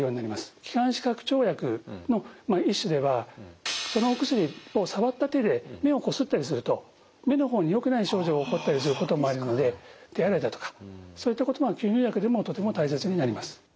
気管支拡張薬の一種ではそのお薬をさわった手で目をこすったりすると目の方によくない症状が起こったりすることもあるので手洗いだとかそういったことが吸入薬でもとても大切になります。